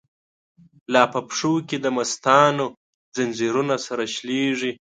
لا په پښو کی دمستانو، ځنځیرونه سره شلیږی